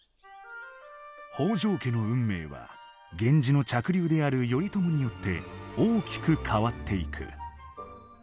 北条家の運命は源氏の嫡流である頼朝によって大きく変わっていく。